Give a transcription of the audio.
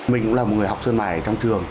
mình cũng là một người học sơn mài ở trong trường